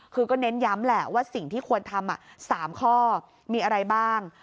คือก็เน้นย้ำแหละว่าสิ่งที่ควรทำ๓ข้อมีอะไรบ้าง